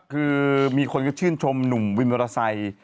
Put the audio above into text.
คือมีคนก็ชื่นชมหนุ่มวินวาทาสัย